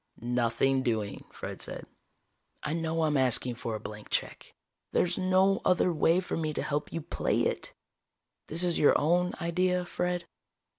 "Nothing doing," Fred said. "I know I'm asking for a blank check. There's no other way for me to help you play it." "This is your own idea, Fred?"